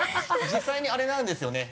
実際にあれなんですよね